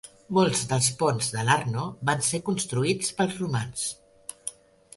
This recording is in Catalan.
Molts dels ponts de l'Arno van ser construïts pels romans.